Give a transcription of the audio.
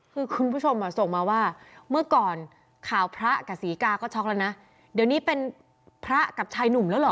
คือคุณผู้ชมส่งมาว่าเมื่อก่อนข่าวพระกับศรีกาก็ช็อกแล้วนะเดี๋ยวนี้เป็นพระกับชายหนุ่มแล้วเหรอ